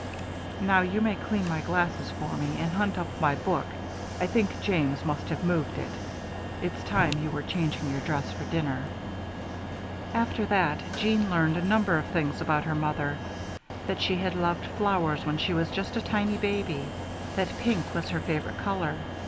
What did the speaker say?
Now you may clean my glasses for me and hunt up my book; I think James must have moved it. It's time you were changing your dress for dinner." After that, Jeanne learned a number of things about her mother. That she had loved flowers when she was just a tiny baby, that pink was her favorite color.